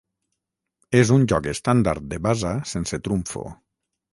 És un joc estàndard de basa sense trumfo.